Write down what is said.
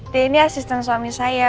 d ini asisten suami saya